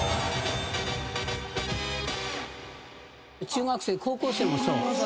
中学生高校生もそう。